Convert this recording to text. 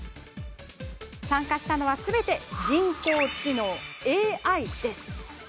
参加したのはすべて人工知能・ＡＩです。